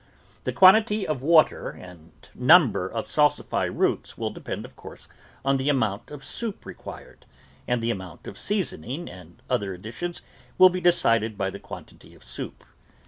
The quantity of water and num ber of salsify roots will depend, of course, on the amount of soup required, and the amount of season ing and other additions will be decided by the quan tity of soup.